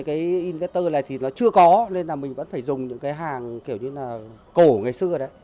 cái indicator này thì nó chưa có nên là mình vẫn phải dùng những cái hàng kiểu như là cổ ngày xưa đấy